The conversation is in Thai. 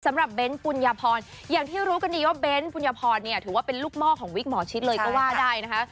สำหรับเบ้นฟุนยพรอย่างที่รู้กันดีว่าเบ้นฟุนยพรถือว่าเป็นลูกหม้อของวิกหมอชิดเลยก็ว่าได้นะคะ